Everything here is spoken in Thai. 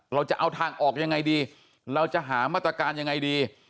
เราจะเอาทางออกยังไงดีเราจะหามาตรการยังไงดี